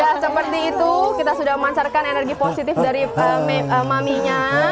ya seperti itu kita sudah memancarkan energi positif dari maminya